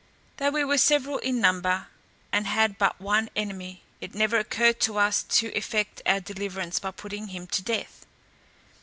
Though we were several in number, and had but one enemy, it never occurred to us to effect our deliverance by putting him to death.